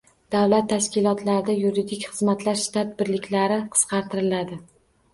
Davlat tashkilotlarida yuridik xizmatlar shtat birliklari qisqartiriladi